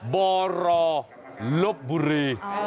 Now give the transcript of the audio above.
บรลบบุรี